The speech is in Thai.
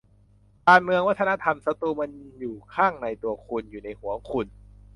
"การเมืองวัฒนธรรม ศัตรูมันอยู่ข้างในตัวคุณ อยู่ในหัวคุณ"